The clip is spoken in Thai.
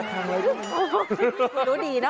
คุณรู้ดีเนอะ